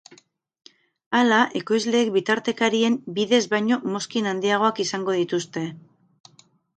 Hala, ekoizleek bitartekarien bidez baino mozkin handiagoak izango dituzte.